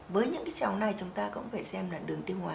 với những cháu này chúng ta cũng phải xem đường tiêu hóa